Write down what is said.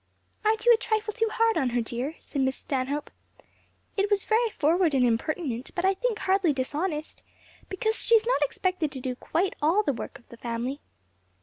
"Aren't you a trifle too hard on her, dear?" said Miss Stanhope. "It was very forward and impertinent, but I think hardly dishonest, because she is not expected to do quite all the work of the family."